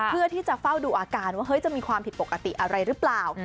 เพื่อที่จะเฝ้าดูอาการว่าเฮ้ยจะมีความผิดปกติอะไรหรือเปล่า